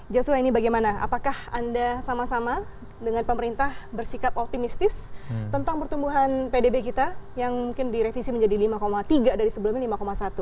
joshua ini bagaimana apakah anda sama sama dengan pemerintah bersikap optimistis tentang pertumbuhan pdb kita yang mungkin direvisi menjadi lima tiga dari sebelumnya lima satu